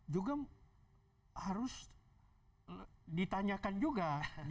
juga harus ditanyakan juga